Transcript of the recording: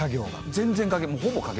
全然。